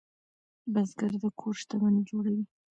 بزګر د کور شتمني جوړوي